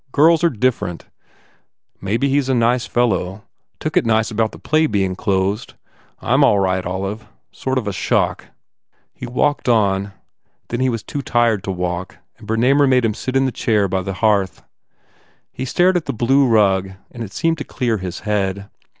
Girls are different. Maybe he s a nice fellow. Took it nice about the play being closed. I m all right, Olive. Sort of a shock." He walked on. Then he was too tired to walk and Bernamer made him sit in the chair by the hearth. He stared at the blue rug and it seemed to clear his head.